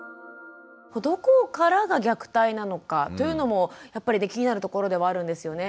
どこからが虐待なのかというのもやっぱり気になるところではあるんですよね。